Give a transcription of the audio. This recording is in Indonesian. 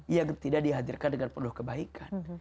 yang tidak dihadirkan dengan penuh kebaikan